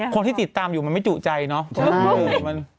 คนที่ติดตามอยู่มันไม่จุใจเนาะ